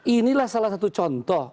inilah salah satu contoh